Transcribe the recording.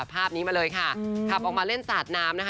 ภาพนี้มาเลยค่ะขับออกมาเล่นสาดน้ำนะคะ